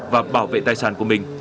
và bảo vệ tài sản của mình